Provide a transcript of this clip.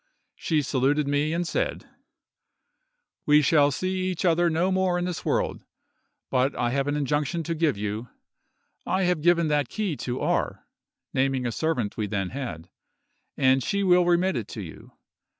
She saluted me, and said: 'We shall see each other no more in this world: but I have an injunction to give you. I have given that key to R—— (naming a servant we then had), and she will remit it to you.